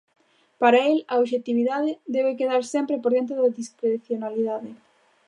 Para el, a "obxectividade" debe quedar "sempre por diante da discrecionalidade".